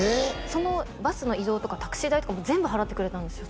そのバスの移動とかタクシー代とかも全部払ってくれたんですよ